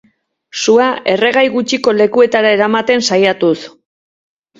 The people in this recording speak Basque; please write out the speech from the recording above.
Sua erregai gutxiko lekuetara eramaten saiatuz.